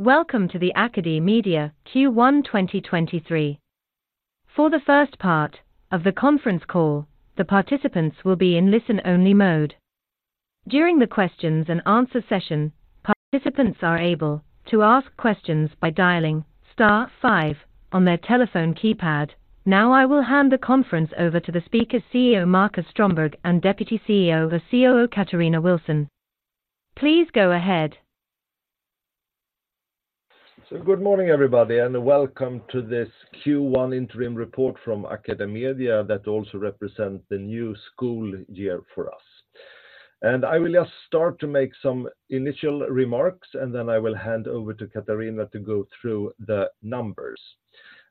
Welcome to the AcadeMedia Q1 2023. For the first part of the conference call, the participants will be in listen-only mode. During the questions and answer session, participants are able to ask questions by dialing star five on their telephone keypad. Now, I will hand the conference over to the speaker, CEO Marcus Strömberg, and Deputy CEO/COO, Katarina Wilson. Please go ahead. Good morning, everybody, and welcome to this Q1 interim report from AcadeMedia that also represent the new school year for us. I will just start to make some initial remarks, and then I will hand over to Katarina to go through the numbers.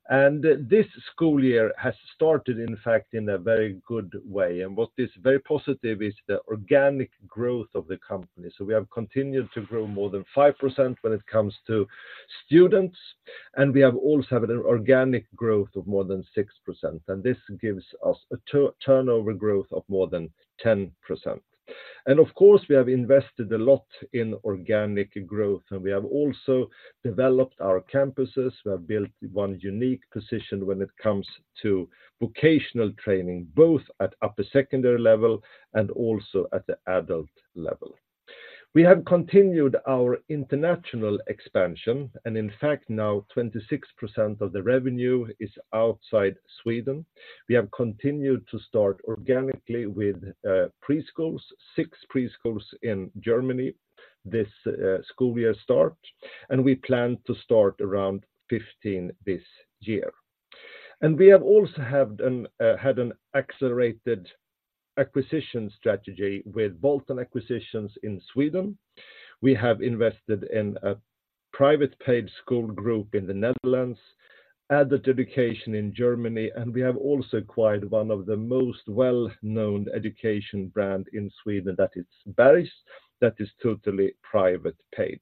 This school year has started, in fact, in a very good way, and what is very positive is the organic growth of the company. We have continued to grow more than 5% when it comes to students, and we have also had an organic growth of more than 6%, and this gives us a turnover growth of more than 10%. Of course, we have invested a lot in organic growth, and we have also developed our campuses. We have built 1 unique position when it comes to vocational training, both at upper secondary level and also at the adult level. We have continued our international expansion, and in fact, now 26% of the revenue is outside Sweden. We have continued to start organically with preschools, 6 preschools in Germany, this school year start, and we plan to start around 15 this year. And we have also had an accelerated acquisition strategy with bolt-on acquisitions in Sweden. We have invested in a private paid school group in the Netherlands, adult education in Germany, and we have also acquired one of the most well-known education brand in Sweden, that is Berghs, that is totally private paid.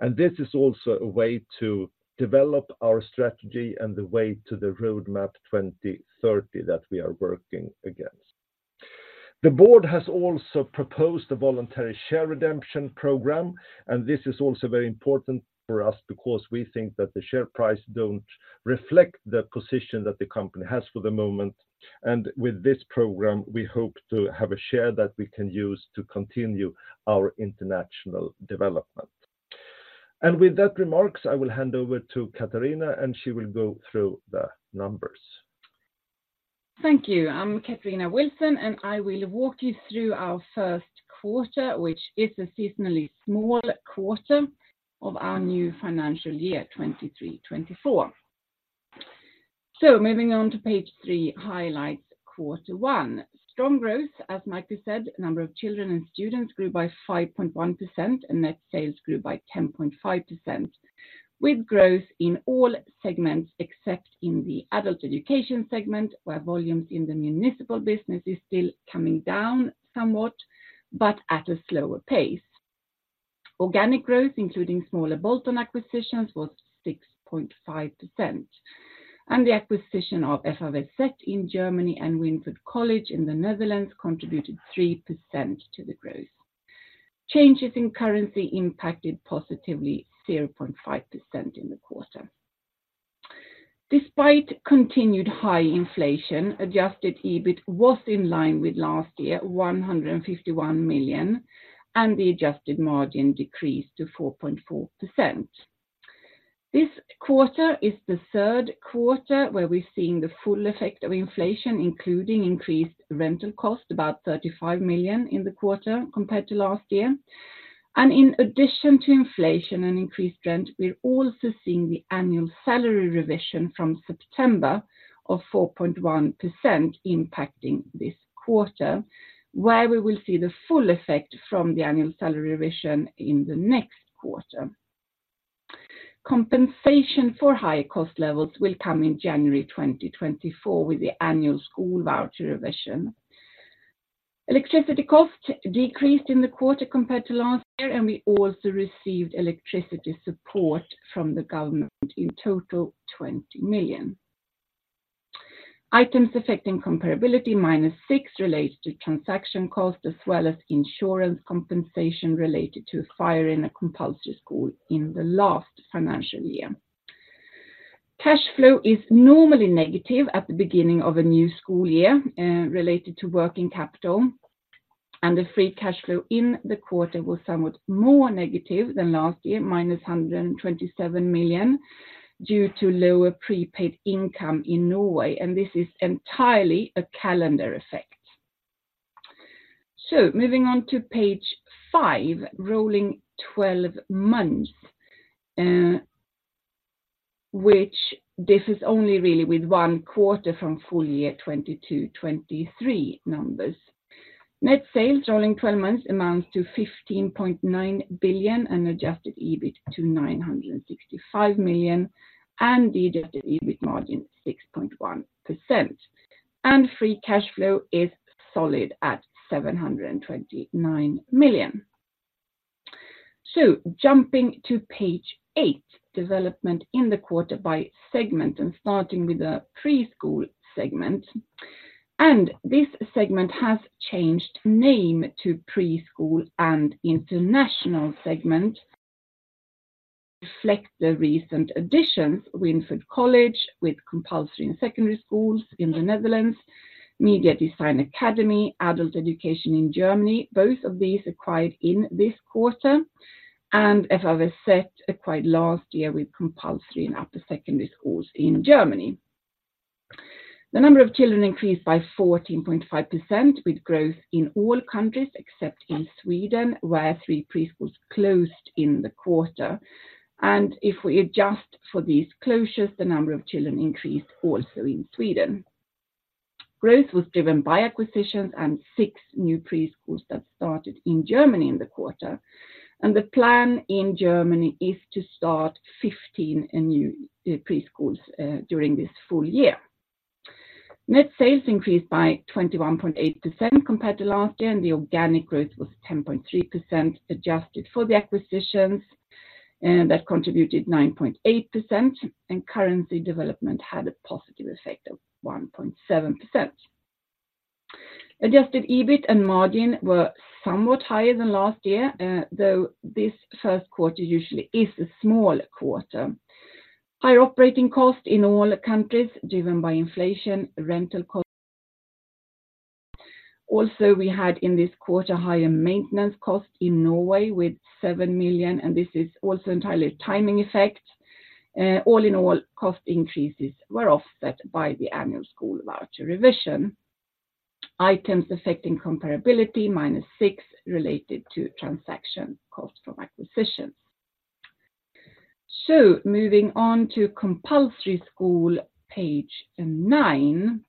And this is also a way to develop our strategy and the way to the Roadmap 2030 that we are working against. The board has also proposed a voluntary share redemption program, and this is also very important for us because we think that the share price don't reflect the position that the company has for the moment. And with this program, we hope to have a share that we can use to continue our international development. And with that remarks, I will hand over to Katarina, and she will go through the numbers. Thank you. I'm Katarina Wilson, and I will walk you through our first quarter, which is a seasonally small quarter of our new financial year, 2023-2024. So moving on to page three, highlights, quarter one. Strong growth, as might be said, number of children and students grew by 5.1%, and net sales grew by 10.5%, with growth in all segments, except in the adult education segment, where volumes in the municipal business is still coming down somewhat, but at a slower pace. Organic growth, including smaller bolt-on acquisitions, was 6.5%, and the acquisition of FAWZ in Germany and Winford College in the Netherlands contributed 3% to the growth. Changes in currency impacted positively 0.5% in the quarter. Despite continued high inflation, adjusted EBIT was in line with last year, 151 million, and the adjusted margin decreased to 4.4%. This quarter is the third quarter where we're seeing the full effect of inflation, including increased rental cost, about 35 million in the quarter compared to last year. In addition to inflation and increased rent, we're also seeing the annual salary revision from September of 4.1% impacting this quarter, where we will see the full effect from the annual salary revision in the next quarter. Compensation for higher cost levels will come in January 2024 with the annual school voucher revision. Electricity cost decreased in the quarter compared to last year, and we also received electricity support from the government, in total, 20 million. Items affecting comparability -6 relates to transaction costs, as well as insurance compensation related to a fire in a compulsory school in the last financial year. Cash flow is normally negative at the beginning of a new school year, related to working capital, and the free cash flow in the quarter was somewhat more negative than last year, -127 million, due to lower prepaid income in Norway, and this is entirely a calendar effect. So moving on to page five, rolling twelve months, which this is only really with one quarter from full year 2022-2023 numbers. Net sales, rolling twelve months, amounts to 15.9 billion and adjusted EBIT to 965 million and the adjusted EBIT margin 6.1%. And free cash flow is solid at 729 million. So jumping to page 8, development in the quarter by segment and starting with the preschool segment. And this segment has changed name to Preschool and International segment, reflect the recent additions: Winford College, with compulsory and secondary schools in the Netherlands, Mediadesign Academy, adult education in Germany. Both of these acquired in this quarter, and as I've said, acquired last year with compulsory and upper secondary schools in Germany. The number of children increased by 14.5%, with growth in all countries except in Sweden, where three preschools closed in the quarter. And if we adjust for these closures, the number of children increased also in Sweden. Growth was driven by acquisitions and six new preschools that started in Germany in the quarter. And the plan in Germany is to start 15 new preschools during this full year. Net sales increased by 21.8% compared to last year, and the organic growth was 10.3%, adjusted for the acquisitions that contributed 9.8%, and currency development had a positive effect of 1.7%. Adjusted EBIT and margin were somewhat higher than last year, though this first quarter usually is a small quarter. Higher operating costs in all countries, driven by inflation, rental cost. Also, we had in this quarter, higher maintenance cost in Norway with 7 million, and this is also entirely timing effect. All in all, cost increases were offset by the annual school voucher revision. items affecting comparability, -6 million, related to transaction cost from acquisitions. So moving on to compulsory school, page 9.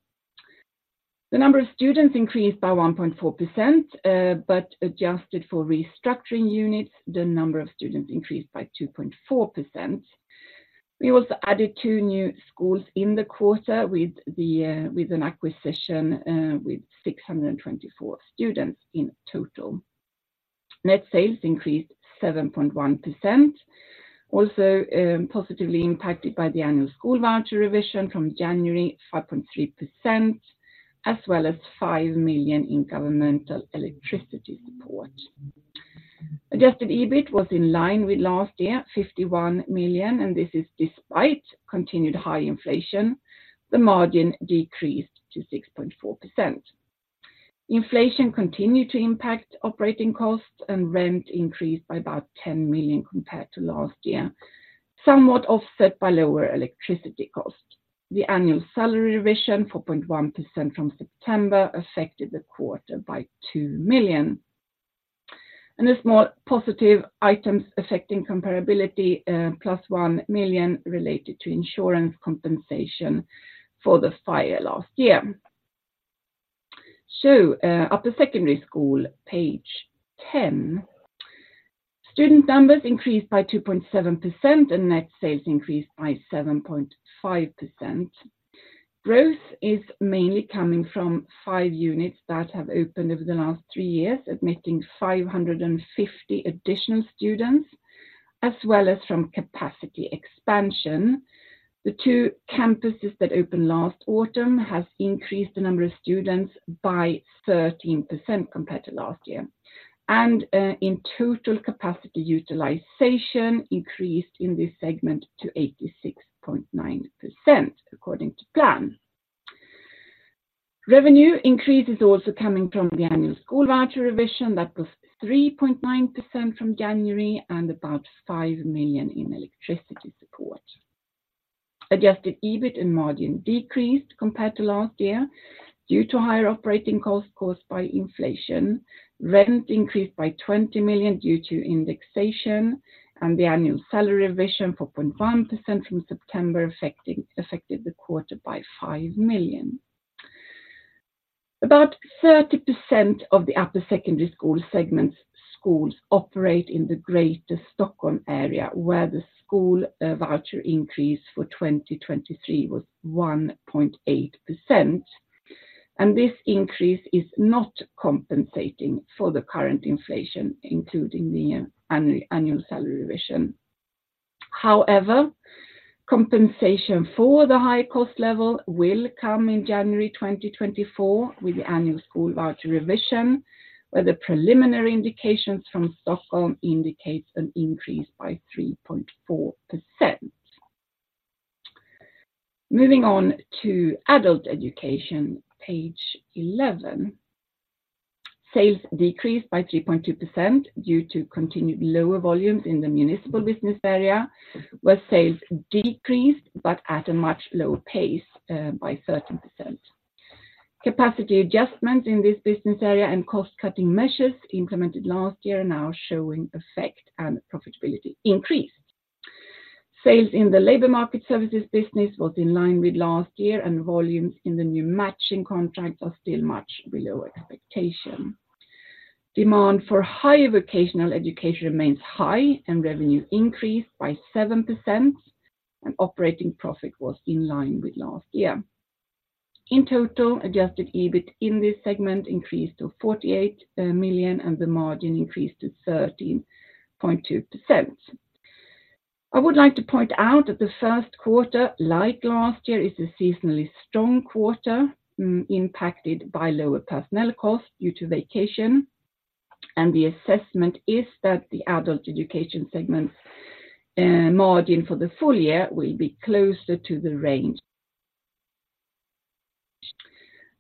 The number of students increased by 1.4%, but adjusted for restructuring units, the number of students increased by 2.4%. We also added 2 new schools in the quarter with the, with an acquisition, with 624 students in total. Net sales increased 7.1%, also, positively impacted by the annual school voucher revision from January, 5.3%, as well as 5 million in governmental electricity support. Adjusted EBIT was in line with last year, 51 million, and this is despite continued high inflation, the margin decreased to 6.4%. Inflation continued to impact operating costs, and rent increased by about 10 million compared to last year, somewhat offset by lower electricity cost. The annual salary revision, 4.1% from September, affected the quarter by 2 million. A small positive items cffecting Comparability, plus 1 million, related to insurance compensation for the fire last year. Upper secondary school, page 10. Student numbers increased by 2.7%, and net sales increased by 7.5%. Growth is mainly coming from 5 units that have opened over the last 3 years, admitting 550 additional students, as well as from capacity expansion. The 2 campuses that opened last autumn have increased the number of students by 13% compared to last year. In total, capacity utilization increased in this segment to 86.9%, according to plan. Revenue increase is also coming from the annual school voucher revision. That was 3.9% from January and about 5 million in electricity support. Adjusted EBIT and margin decreased compared to last year due to higher operating costs caused by inflation. Rent increased by 20 million due to indexation, and the annual salary revision, 4.1% from September, affected the quarter by 5 million. About 30% of the upper secondary school segment schools operate in the greater Stockholm area, where the school voucher increase for 2023 was 1.8%, and this increase is not compensating for the current inflation, including the annual salary revision. However, compensation for the high cost level will come in January 2024 with the annual school voucher revision, where the preliminary indications from Stockholm indicates an increase by 3.4%. Moving on to adult education, page 11. Sales decreased by 3.2% due to continued lower volumes in the municipal business area, where sales decreased, but at a much lower pace, by 13%. Capacity adjustment in this business area and cost-cutting measures implemented last year are now showing effect and profitability increased. Sales in the labor market services business was in line with last year, and volumes in the new matching contracts are still much below expectation. Demand for higher vocational education remains high and revenue increased by 7%, and operating profit was in line with last year. In total, adjusted EBIT in this segment increased to 48 million, and the margin increased to 13.2%. I would like to point out that the first quarter, like last year, is a seasonally strong quarter impacted by lower personnel costs due to vacation, and the assessment is that the adult education segment margin for the full year will be closer to the range.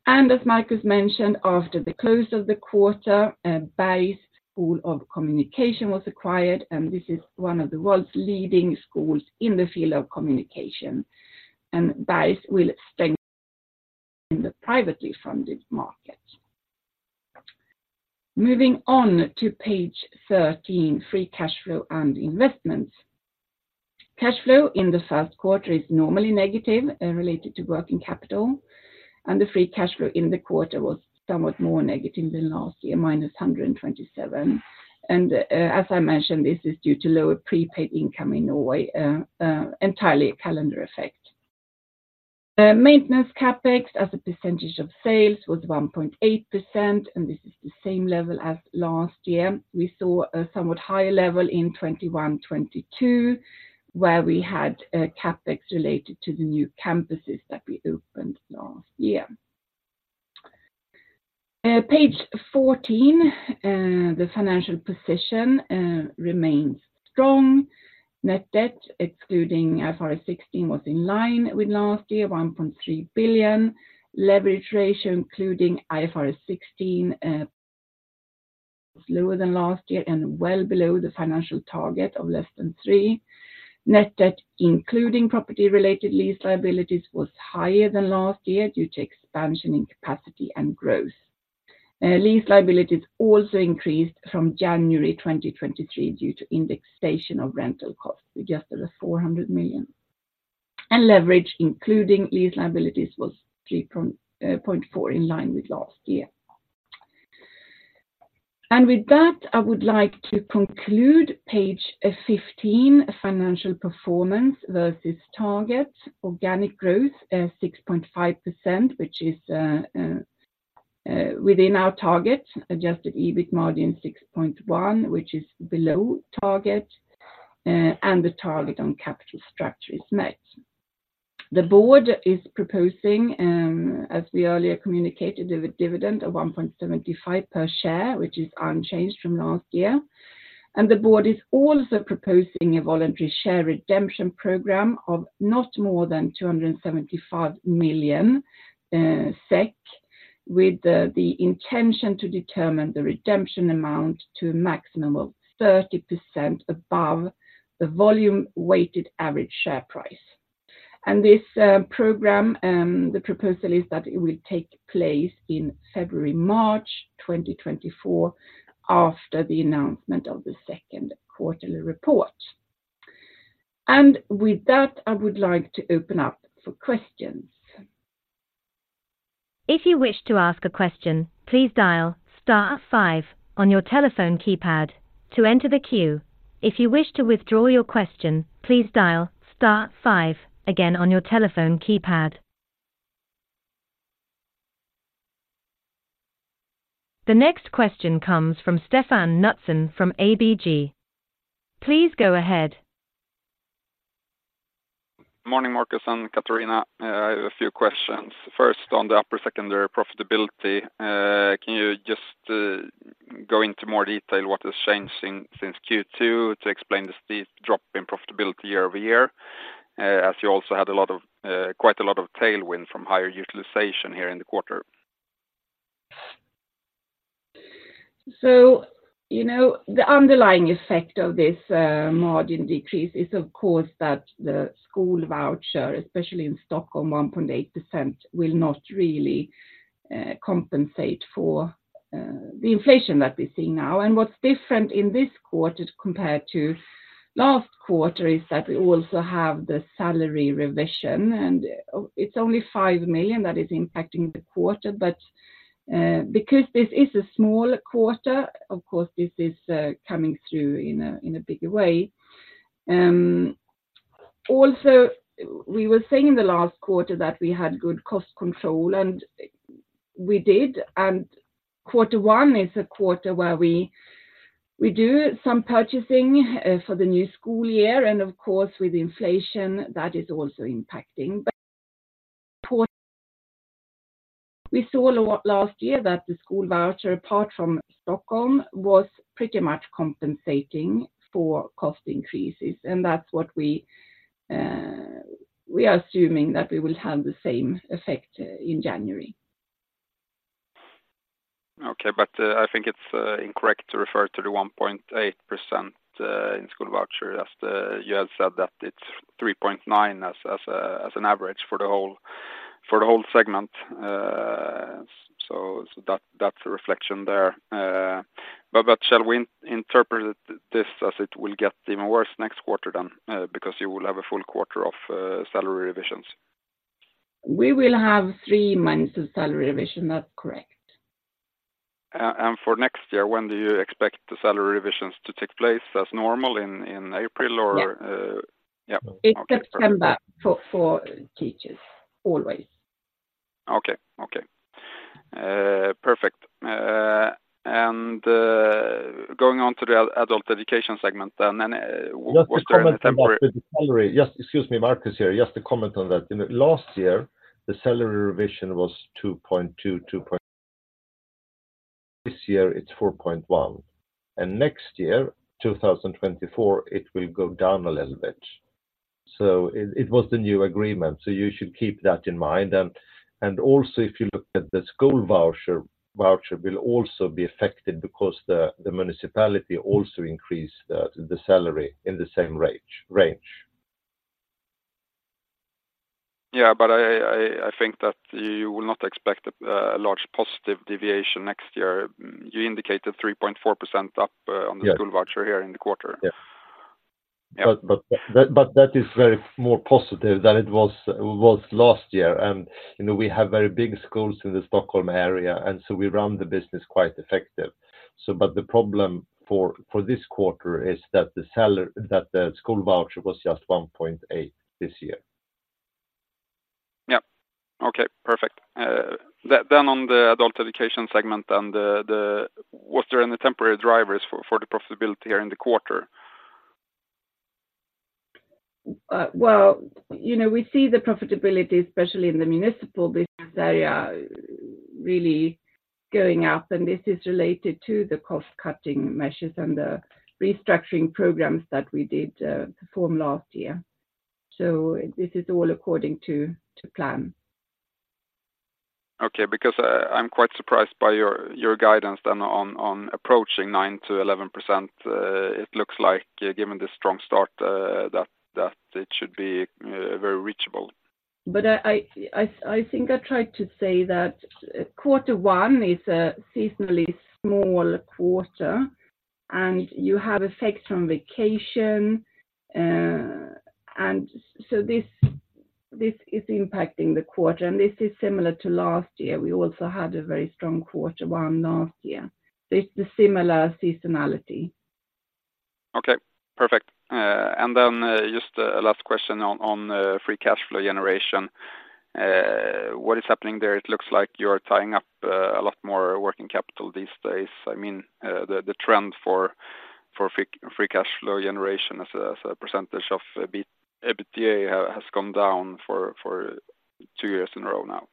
As Marcus mentioned, after the close of the quarter, Berghs School of Communication was acquired, and this is one of the world's leading schools in the field of communication. Berghs will strengthen the privately funded market. Moving on to page 13, free cash flow and investments. Cash flow in the first quarter is normally negative, related to working capital, and the free cash flow in the quarter was somewhat more negative than last year, -127. As I mentioned, this is due to lower prepaid income in Norway, entirely a calendar effect. The maintenance CapEx as a percentage of sales was 1.8%, and this is the same level as last year. We saw a somewhat higher level in 2021, 2022, where we had CapEx related to the new campuses that we opened last year. Page 14, the financial position remains strong. Net debt, excluding IFRS 16, was in line with last year, 1.3 billion. Leverage ratio, including IFRS 16, was lower than last year and well below the financial target of less than 3. Net debt, including property-related lease liabilities, was higher than last year due to expansion in capacity and growth. Lease liabilities also increased from January 2023 due to indexation of rental costs, adjusted at 400 million. Leverage, including lease liabilities, was 3.4 in line with last year. With that, I would like to conclude page 15, financial performance versus target. Organic growth 6.5%, which is within our target, adjusted EBIT margin 6.1%, which is below target, and the target on capital structure is met. The board is proposing, as we earlier communicated, a dividend of 1.75 per share, which is unchanged from last year. The board is also proposing a voluntary share redemption program of not more than 275 million SEK, with the intention to determine the redemption amount to a maximum of 30% above the volume weighted average share price. This program, the proposal is that it will take place in February-March 2024, after the announcement of the second quarterly report. With that, I would like to open up for questions. If you wish to ask a question, please dial star five on your telephone keypad to enter the queue. If you wish to withdraw your question, please dial star five again on your telephone keypad. The next question comes from Stefan Knutsson from ABG. Please go ahead. Morning, Marcus and Katarina. I have a few questions. First, on the upper secondary profitability, can you just go into more detail what has changed since Q2 to explain the steep drop in profitability year-over-year? As you also had a lot of, quite a lot of tailwind from higher utilization here in the quarter. So, you know, the underlying effect of this, margin decrease is, of course, that the school voucher, especially in Stockholm, 1.8%, will not really, compensate for, the inflation that we're seeing now. And what's different in this quarter compared to last quarter is that we also have the salary revision, and, it's only 5 million that is impacting the quarter. But, because this is a small quarter, of course, this is, coming through in a bigger way. Also, we were saying in the last quarter that we had good cost control, and we did. And quarter one is a quarter where we do some purchasing, for the new school year, and of course, with inflation, that is also impacting. But we saw last year that the school voucher, apart from Stockholm, was pretty much compensating for cost increases, and that's what we are assuming that we will have the same effect in January. Okay, but I think it's incorrect to refer to the 1.8% in school voucher as the—you had said that it's 3.9% as an average for the whole, for the whole segment. So, that's a reflection there. But shall we interpret this as it will get even worse next quarter then, because you will have a full quarter of salary revisions? We will have three months of salary revision. That's correct. And for next year, when do you expect the salary revisions to take place? As normal in April, or Yeah. Yeah. Okay. It's September for teachers, always.... Okay, okay. Perfect. And going on to the adult education segment, then, was there any temporary- Just to comment about the salary. Yes, excuse me, Marcus here. Just to comment on that. In the last year, the salary revision was 2.2. This year, it's 4.1, and next year, 2024, it will go down a little bit. So it was the new agreement, so you should keep that in mind. And also, if you look at the school voucher, the voucher will also be affected because the municipality also increased the salary in the same range. Yeah, but I think that you will not expect a large positive deviation next year. You indicated 3.4% up, Yeah on the school voucher here in the quarter. Yeah. Yeah. But that is very more positive than it was last year. And, you know, we have very big schools in the Stockholm area, and so we run the business quite effective. So but the problem for this quarter is that the salary, that the school voucher was just 1.8 this year. Yeah. Okay, perfect. Then on the adult education segment, and the, was there any temporary drivers for the profitability here in the quarter? Well, you know, we see the profitability, especially in the municipal business area, really going up, and this is related to the cost-cutting measures and the restructuring programs that we did perform last year. So this is all according to plan. Okay, because I'm quite surprised by your guidance then on approaching 9%-11%. It looks like, given the strong start, that it should be very reachable. But I think I tried to say that quarter one is a seasonally small quarter, and you have effect from vacation. And so this is impacting the quarter, and this is similar to last year. We also had a very strong quarter one last year. It's a similar seasonality. Okay, perfect. And then, just a last question on, on, free cash flow generation. What is happening there? It looks like you are tying up, a lot more working capital these days. I mean, the trend for, for free cash flow generation as a, as a percentage of, EBITDA has, has come down for, for two years in a row now.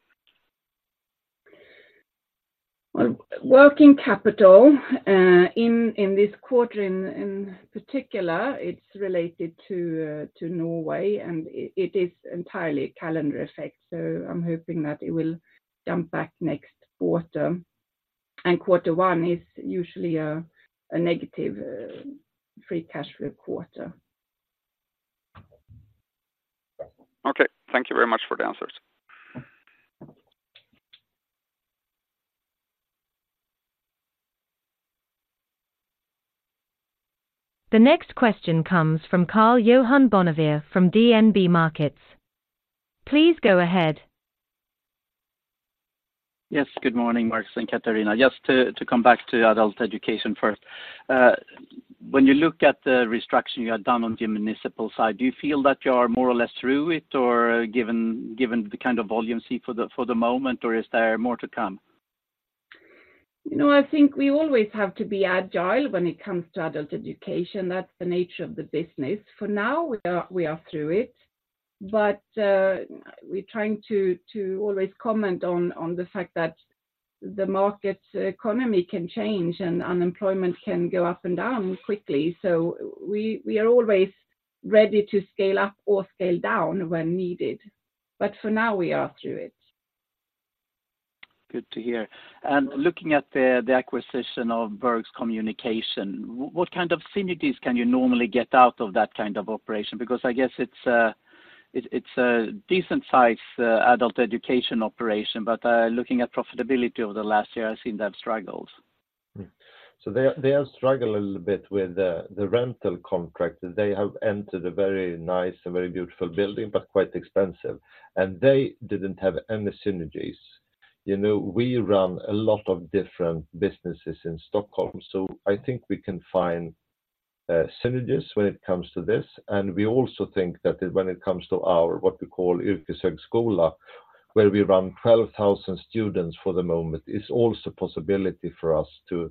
Well, working capital in this quarter in particular is related to Norway, and it is entirely a calendar effect. So I'm hoping that it will jump back next quarter. And quarter one is usually a negative free cash flow quarter. Okay. Thank you very much for the answers. The next question comes from Karl-Johan Bonnevier from DNB Markets. Please go ahead. Yes, good morning, Marcus and Katarina. Just to come back to adult education first. When you look at the restructure you have done on the municipal side, do you feel that you are more or less through with, or given the kind of volume you see for the moment, or is there more to come? You know, I think we always have to be agile when it comes to adult education. That's the nature of the business. For now, we are through it. But, we're trying to always comment on the fact that the market's economy can change, and unemployment can go up and down quickly. So we are always ready to scale up or scale down when needed. But for now, we are through it. Good to hear. And looking at the acquisition of Berghs School of Communication, what kind of synergies can you normally get out of that kind of operation? Because I guess it's a decent-sized adult education operation, but looking at profitability over the last year, I've seen that struggled. So they are struggling a little bit with the rental contract. They have entered a very nice and very beautiful building, but quite expensive, and they didn't have any synergies. You know, we run a lot of different businesses in Stockholm, so I think we can find synergies when it comes to this. And we also think that when it comes to our what we call Yrkeshögskola, where we run 12,000 students for the moment, it's also possibility for us to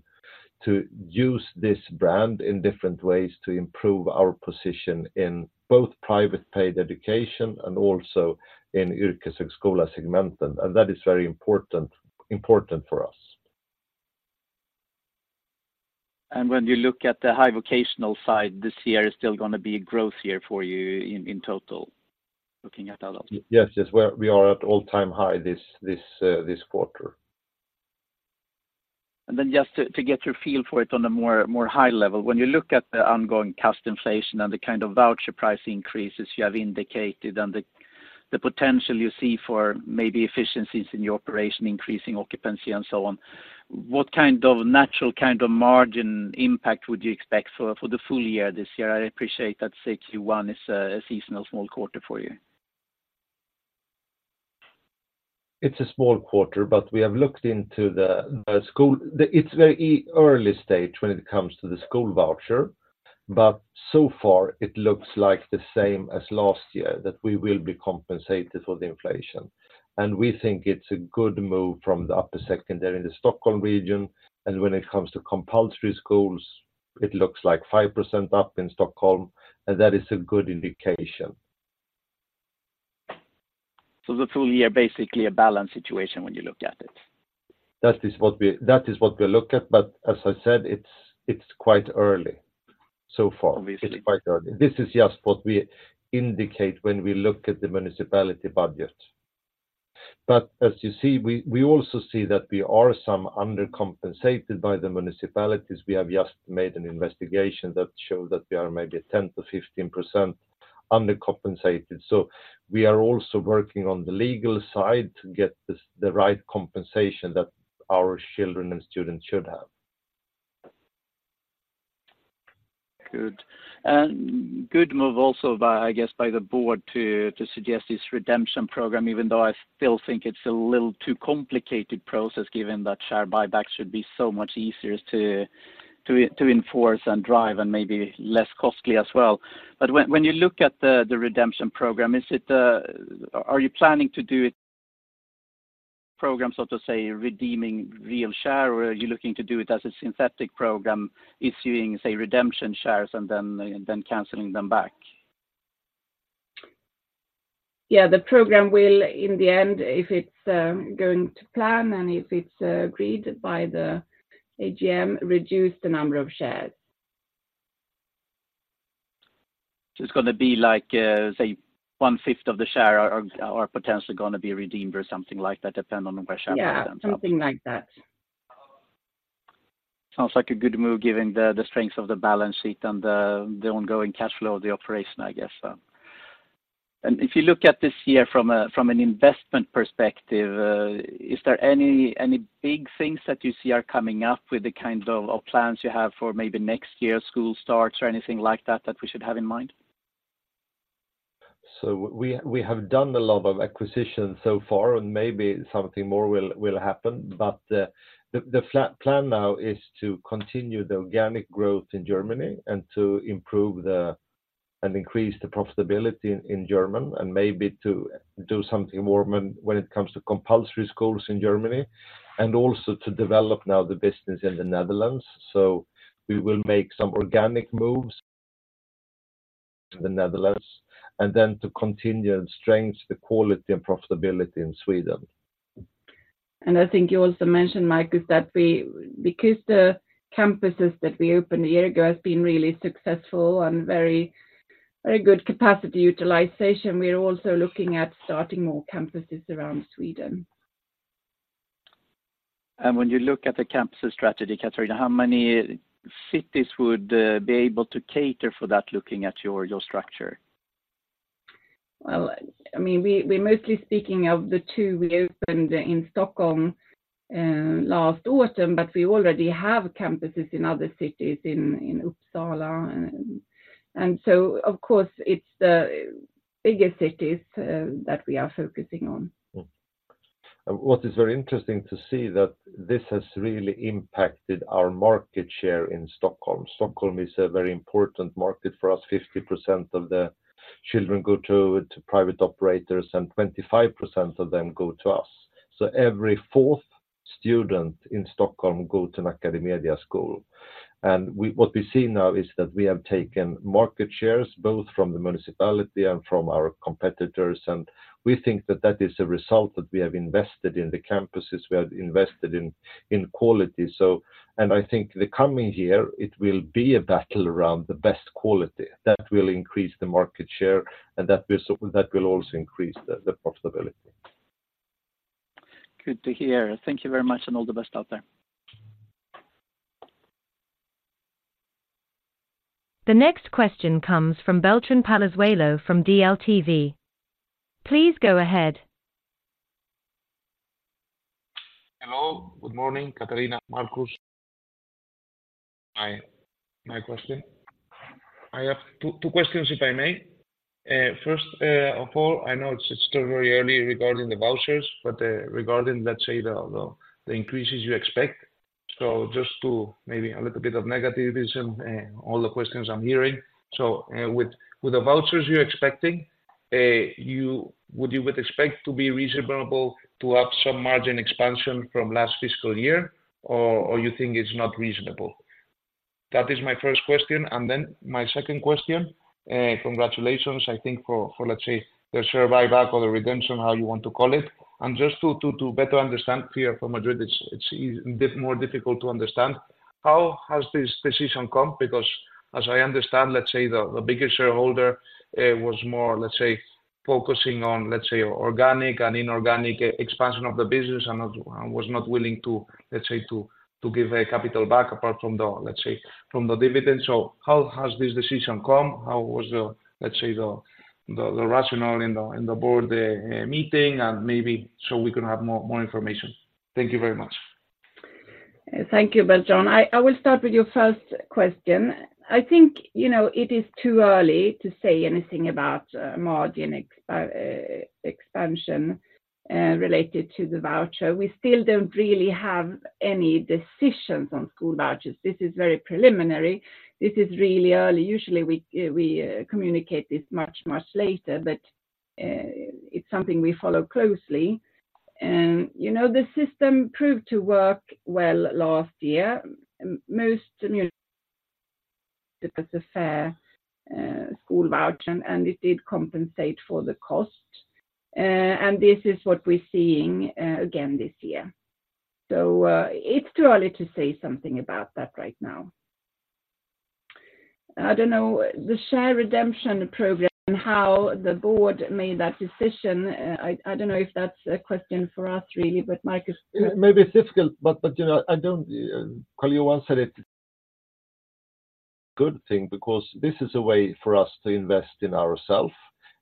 use this brand in different ways to improve our position in both private paid education and also in Yrkeshögskola segmenten, and that is very important for us. When you look at the higher vocational side, this year is still gonna be a growth year for you in total, looking at adult? Yes, yes. Well, we are at all-time high this quarter. Then just to get your feel for it on a more high level, when you look at the ongoing cost inflation and the kind of voucher price increases you have indicated and the potential you see for maybe efficiencies in your operation, increasing occupancy, and so on, what kind of natural kind of margin impact would you expect for the full year this year? I appreciate that 61 is a seasonal small quarter for you. It's a small quarter, but we have looked into the school. It's very early stage when it comes to the school voucher. But so far, it looks like the same as last year, that we will be compensated for the inflation. And we think it's a good move from the upper secondary in the Stockholm region, and when it comes to compulsory schools, it looks like 5% up in Stockholm, and that is a good indication. The full year, basically a balanced situation when you look at it? That is what we look at, but as I said, it's quite early so far. Obviously. It's quite early. This is just what we indicate when we look at the municipality budget. But as you see, we also see that we are some undercompensated by the municipalities. We have just made an investigation that showed that we are maybe 10%-15% undercompensated. So we are also working on the legal side to get this, the right compensation that our children and students should have. Good. And good move also by, I guess, by the board to suggest this redemption program, even though I still think it's a little too complicated process, given that share buyback should be so much easier to enforce and drive and maybe less costly as well. But when you look at the redemption program, is it? Are you planning to do it program, so to say, redeeming real share, or are you looking to do it as a synthetic program, issuing, say, redemption shares and then canceling them back? Yeah, the program will, in the end, if it's going to plan and if it's aaaaaagreed by the AGM, reduce the number of shares. It's gonna be like, say, one-fifth of the share or, or potentially gonna be redeemed or something like that, depending on where share- Yeah, something like that. Sounds like a good move, given the strength of the balance sheet and the ongoing cash flow of the operation, I guess, so. If you look at this year from an investment perspective, is there any big things that you see are coming up with the kind of plans you have for maybe next year school starts or anything like that, that we should have in mind? So we have done a lot of acquisitions so far, and maybe something more will happen. But the flat plan now is to continue the organic growth in Germany and to improve and increase the profitability in Germany, and maybe to do something more when it comes to compulsory schools in Germany, and also to develop now the business in the Netherlands. So we will make some organic moves in the Netherlands, and then to continue and strengthen the quality and profitability in Sweden. I think you also mentioned, Marcus, that we, because the campuses that we opened a year ago has been really successful and very, very good capacity utilization, we are also looking at starting more campuses around Sweden. When you look at the campuses strategy, Katarina, how many cities would be able to cater for that, looking at your, your structure? Well, I mean, we're mostly speaking of the two we opened in Stockholm last autumn, but we already have campuses in other cities, in Uppsala. And so, of course, it's the biggest cities that we are focusing on. What is very interesting to see that this has really impacted our market share in Stockholm. Stockholm is a very important market for us. 50% of the children go to, to private operators, and 25% of them go to us. So every fourth student in Stockholm go to an AcadeMedia school. And what we see now is that we have taken market shares, both from the municipality and from our competitors, and we think that that is a result that we have invested in the campuses, we have invested in, in quality. So, and I think the coming year, it will be a battle around the best quality. That will increase the market share, and that will so, that will also increase the, the profitability. Good to hear. Thank you very much, and all the best out there. The next question comes from Beltran Palazuelo from DLTV. Please go ahead. Hello, good morning, Katarina, Marcus. My question. I have two questions, if I may. First of all, I know it's still very early regarding the vouchers, but regarding, let's say, the increases you expect. So just to maybe a little bit of negativism all the questions I'm hearing. So with the vouchers you're expecting, would you expect to be reasonable to have some margin expansion from last fiscal year, or you think it's not reasonable? That is my first question, and then my second question, congratulations, I think, for, let's say, the share buyback or the redemption, how you want to call it. And just to better understand here for Madrid, it's more difficult to understand. How has this decision come? Because as I understand, let's say the biggest shareholder was more, let's say, focusing on, let's say, organic and inorganic expansion of the business and not, and was not willing to, let's say, to give capital back apart from the, let's say, from the dividends. So how has this decision come? How was the, let's say, the rationale in the board meeting, and maybe so we can have more information. Thank you very much. Thank you, Beltran. I will start with your first question. I think, you know, it is too early to say anything about margin expansion related to the voucher. We still don't really have any decisions on school vouchers. This is very preliminary. This is really early. Usually, we communicate this much, much later, but... And it's something we follow closely. And, you know, the system proved to work well last year. Most, you know, that was a fair school voucher, and it did compensate for the cost. And this is what we're seeing again this year. So, it's too early to say something about that right now. I don't know, the share redemption program and how the board made that decision, I don't know if that's a question for us, really, but Marcus- Maybe it's difficult, but you know, I don't know, you once said it's a good thing, because this is a way for us to invest in ourself.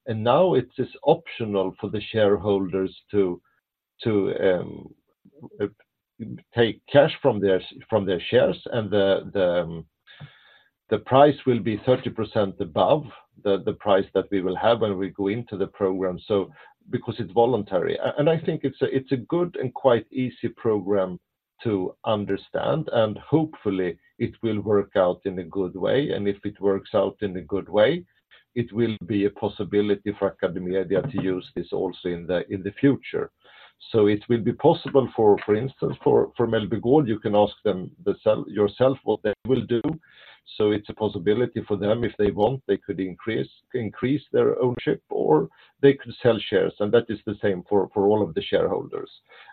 Now it is optional for the shareholders to take cash from their shares, and the price will be 30% above the price that we will have when we go into the program. Because it's voluntary. I think it's a good and quite easy program to understand, and hopefully it will work out in a good way. If it works out in a good way, it will be a possibility for AcadeMedia to use this also in the future. It will be possible for instance, for Mellby Gård, you can ask them yourself what they will do. So it's a possibility for them. If they want, they could increase their ownership, or they could sell shares, and that is the same for all of the shareholders.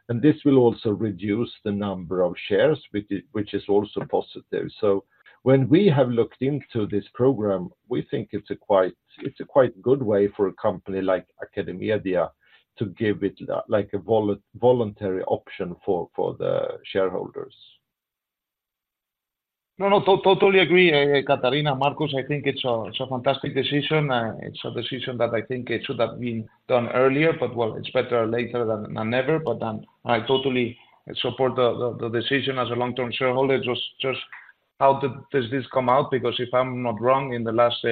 And this will also reduce the number of shares, which is also positive. So when we have looked into this program, we think it's a quite good way for a company like AcadeMedia to give it, like, a voluntary option for the shareholders. No, no, totally agree, Katarina, Marcus. I think it's a fantastic decision. It's a decision that I think should have been done earlier, but well, it's better later than never. But then I totally support the decision as a long-term shareholder. Just how does this come out? Because if I'm not wrong, in the last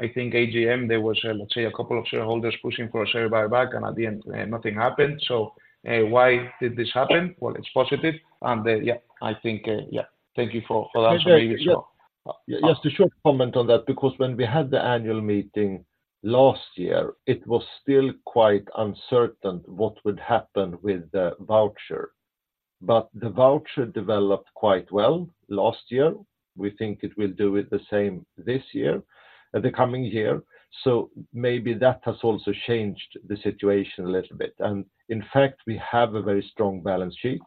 AGM, there was, let's say, a couple of shareholders pushing for a share buyback, and at the end, nothing happened. So, why did this happen? Well, it's positive, and then, yeah, I think, yeah, thank you for that. Just a short comment on that, because when we had the annual meeting last year, it was still quite uncertain what would happen with the voucher. But the voucher developed quite well last year. We think it will do it the same this year, the coming year. So maybe that has also changed the situation a little bit. And in fact, we have a very strong balance sheet,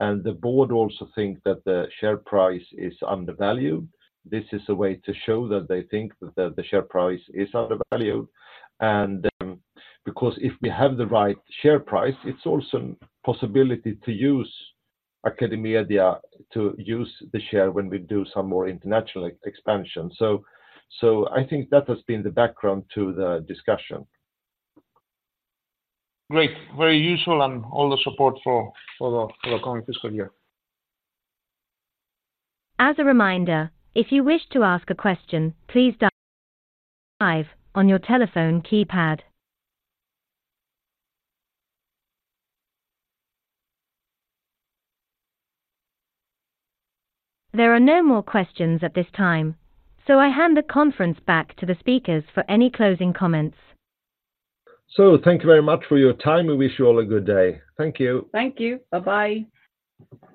and the board also think that the share price is undervalued. This is a way to show that they think that the share price is undervalued. And, because if we have the right share price, it's also possibility to use AcadeMedia, to use the share when we do some more international expansion. So I think that has been the background to the discussion. Great. Very useful and all the support for the coming fiscal year. As a reminder, if you wish to ask a question, please dial five on your telephone keypad. There are no more questions at this time, so I hand the conference back to the speakers for any closing comments. Thank you very much for your time. We wish you all a good day. Thank you. Thank you. Bye-bye.